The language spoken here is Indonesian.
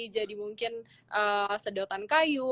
jadi mungkin sedotan kayu